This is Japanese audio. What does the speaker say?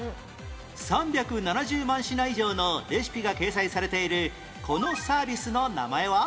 ３７０万品以上のレシピが掲載されているこのサービスの名前は？